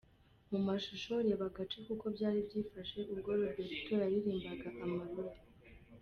Mu mashusho reba agace k'uko byari byifashe ubwo Roberto yaririmbaga 'Amarulah'.